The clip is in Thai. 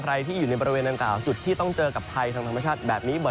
ที่อยู่ในบริเวณดังกล่าวจุดที่ต้องเจอกับภัยทางธรรมชาติแบบนี้บ่อย